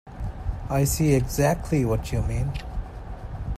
I see exactly what you mean.